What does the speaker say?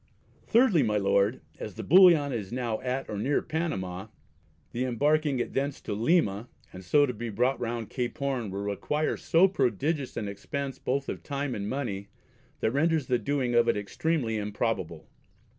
Thirdly, my Lord, as the Bullion is now at or near Panama, the embarking it thence to Lyma, and so to be brought round Cape Horn, will require so prodigious an expence both of time and money, that renders the doing of it extremely improbable.